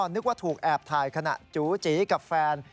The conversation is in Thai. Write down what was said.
นึกว่าถูกแอบถ่ายขณะจูจีกับแฟน